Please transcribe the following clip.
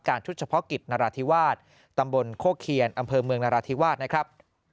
ชุดเฉพาะกิจนราธิวาสตำบลโคเคียนอำเภอเมืองนราธิวาสนะครับ